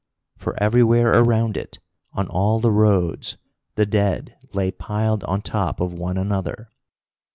For everywhere around it, on all the roads, the dead lay piled on top of one another.